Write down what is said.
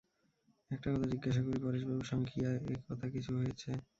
একটা কথা জিজ্ঞাসা করি, পরেশবাবুর সঙ্গে কি এ কথা কিছু হয়েছে?